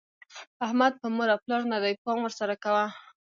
احمد په مور او پلار نه دی؛ پام ور سره کوه.